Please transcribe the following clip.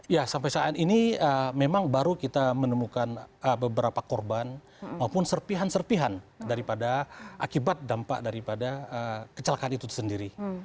ya sampai saat ini memang baru kita menemukan beberapa korban maupun serpihan serpihan daripada akibat dampak daripada kecelakaan itu sendiri